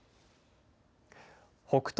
北勝